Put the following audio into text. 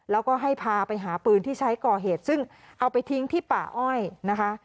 แล้วก็ให้พาไปหาปืนที่ใช้ก่อเหตุซึ่งเอาไปทิ้งที่ป่าอ้อยนะคะ